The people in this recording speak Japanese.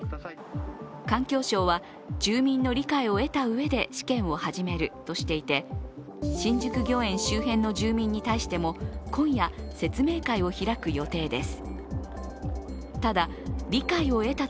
環境省は、住民の理解を得たうえで試験を始めるとしていて新宿御苑周辺の住民に対しても今夜、説明会を開く予定です。